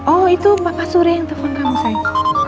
oh itu bapak sure yang telepon kamu sayang